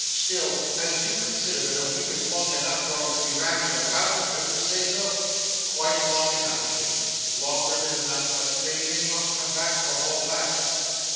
Still, I do consider that a week is quite long enough for 'em to be rambling about; don't you say so?' 'Quite long enough, Kit, longer than enough, but they may not come back for all that.